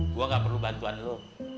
gue gak perlu bantuan lo